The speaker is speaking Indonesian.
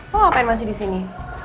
mau ngapain masih di sini